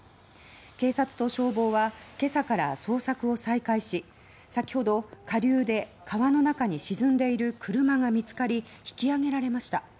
警察と消防は今朝から捜索を再開し先ほど下流で川の中に沈んでいる車が見つかり引き上げられました。